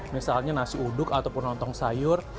misalnya nasi uduk ataupun nonton sayur